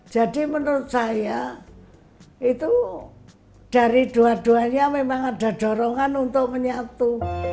jadi menurut saya itu dari dua duanya memang ada dorongan untuk menyatu